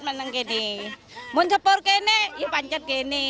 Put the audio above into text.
kalau di pasar ini ya pancat